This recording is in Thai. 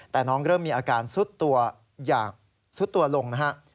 แต่น้องเริ่มมีอาการสุดตัวอย่างสุดตัวลง